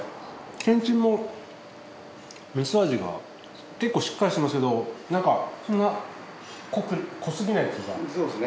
けんちんも味噌味が結構しっかりしてますけどなんかそんな濃すぎないっていうか。